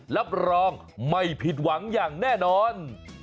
รับรองไม่ผิดหวังอย่างแน่นอน